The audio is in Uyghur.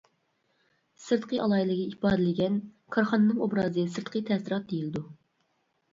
سىرتقى ئالاھىدىلىكى ئىپادىلىگەن كارخانىنىڭ ئوبرازى سىرتقى تەسىرات دېيىلىدۇ.